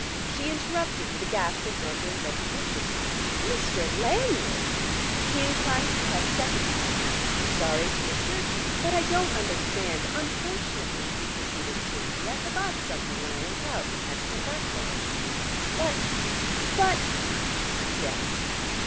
She interrupted with a gasp of wondering recognition: "Mr. Lanyard!" He inclined his head a second time: "Sorry to disturb you " "But I don't understand " "Unfortunately," he proceeded smoothly, "I forgot something when I went out, and had to come back for it." "But but " "Yes?"